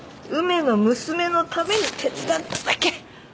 ウメの娘のために手伝っただけ。